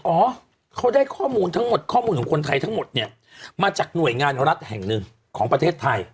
เหรอเขาได้ข้อมูลของคนไทยทั้งหมดมาจากหน่วยงานรัฐแห่งนึงของประเทศไทย